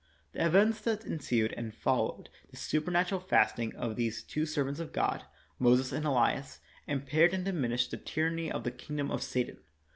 The events that ensued and followed this supernatu ral fasting of these two servants of God, Moses and Elias, impaired and diminished the tyranny of the kingdom of Satan.